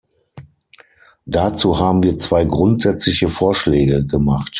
Dazu haben wir zwei grundsätzliche Vorschläge gemacht.